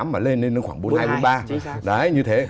mà lên lên nó khoảng bốn mươi hai bốn mươi ba